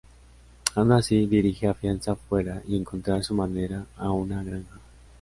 Aun así, dirige a fianza fuera y encontrar su manera a una granja.